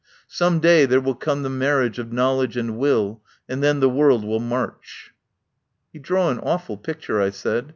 Some day there will come the marriage of knowledge and will, and then the world will march." "You draw an awful picture," I said.